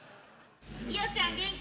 伊代ちゃん元気？